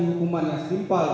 hukuman yang simpel